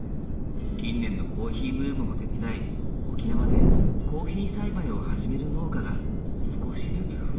近年のコーヒーブームも手伝い沖縄でコーヒー栽培を始める農家が少しずつ増えているのだ。